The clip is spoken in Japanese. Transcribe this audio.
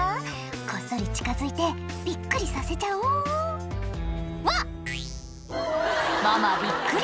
「こっそり近づいてびっくりさせちゃおう」「わっ！」ママびっくり！